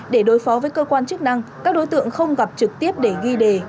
để đối phó với cơ quan chức năng các đối tượng không gặp trực tiếp để ghi đề